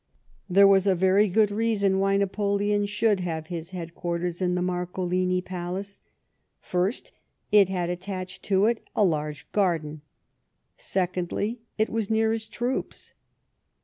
There was n. very good reason ^\hy Xapoleon should have his headquarters in the 3Iarcolini palace. First, it had attached to it a large garden ; secondly, it was near his troops.